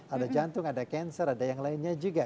ada jantung ada cancer ada yang lainnya juga